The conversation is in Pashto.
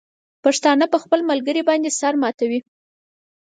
پښتانه په خپل ملګري باندې سر ماتوي.